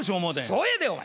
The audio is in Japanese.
そうやでお前。